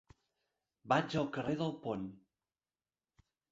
Vaig al carrer del Pont.